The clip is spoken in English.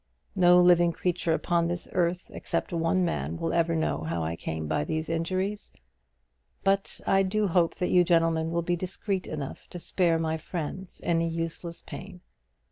No living creature upon this earth except one man will ever know how I came by these injuries. But I do hope that you gentlemen will be discreet enough to spare my friends any useless pain.